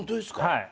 はい。